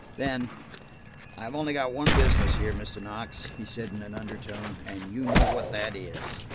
Then– "I've only got one business here, Mr. Knox," he said in an undertone, "and you know what that is.